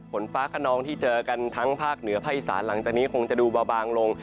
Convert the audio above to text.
ผลฟ้าค่ะน้องที่เจอกันทั้งภาคเหนือไพรศาสตร์หลังจากนี้คงจะดูบางลง